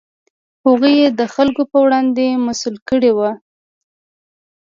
هغوی یې د خلکو په وړاندې مسوول کړي وو.